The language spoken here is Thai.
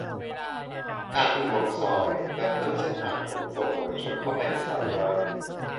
การทะลวงซอยและเพิ่มเส้นทางขนส่งมวลชน เข้าไปในซอยย่อย